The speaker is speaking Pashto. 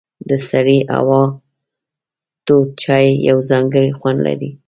د سړې هوا تود چای یو ځانګړی خوند لري.